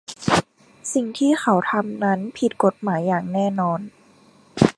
สิ่งที่เขาทำนั้นผิดกฎหมายอย่างแน่นอน